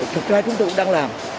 thực ra chúng tôi cũng đang làm